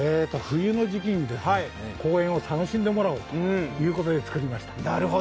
冬の時期に公園を楽しんでもらおうということで作りました。